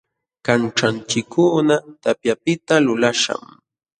Kanćhanchikkuna tapyapiqta lulaśhqam.